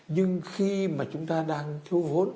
nhưng khi mà chúng ta đang thiếu vốn